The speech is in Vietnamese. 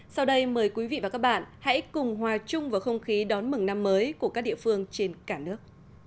sau đây mời quý vị và các bạn hãy cùng hòa chung vào không khí đón mừng năm mới của các địa phương trên cả nước